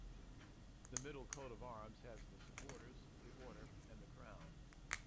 The middle coat of arms has the supporters, the order and the crown.